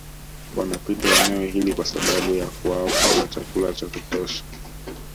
Wanapita eneo hili kwa sababu ya kuwapo na chakula cha kutosha